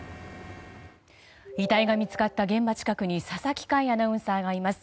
遺体が見つかった現場近くに佐々木快アナウンサーがいます。